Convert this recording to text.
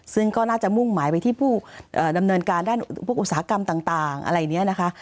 ซึ่งก็น่าจะมุ่งหมายไปที่ผู้ดำเนินการด้านพวกอุตสาหกรรมต่างอะไรอย่างนี้นะคะ